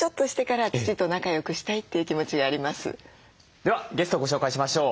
ではゲストをご紹介しましょう。